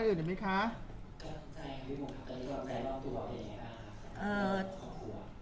คุณผู้ถามเป็นความขอบคุณค่ะ